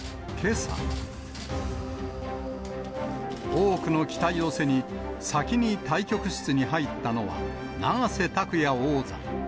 多くの期待を背に、先に対局室に入ったのは、永瀬拓矢王座。